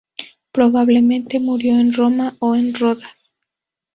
Probablemente murió en Roma o en Rodas.